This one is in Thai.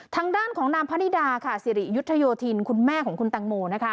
ทางด้านของนางพนิดาค่ะสิริยุทธโยธินคุณแม่ของคุณตังโมนะคะ